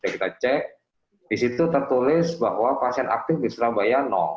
kita cek di situ tertulis bahwa pasien aktif di surabaya